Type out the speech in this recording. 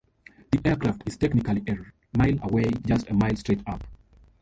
The aircraft is technically a mile away, just a mile straight up.